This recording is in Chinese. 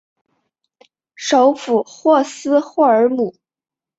首府霍斯霍尔姆。